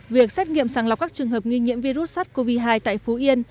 việc xét nghiệm sàng lọc các trường hợp nghi nhiễm virus sars cov hai tại phú yên